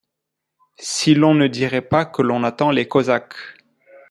Si l’on ne dirait pas que l’on attend les Cosaques !…